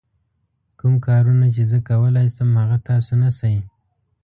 کوم کارونه چې زه کولای شم هغه تاسو نه شئ.